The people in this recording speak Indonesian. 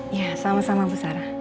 iya sama sama bu sarah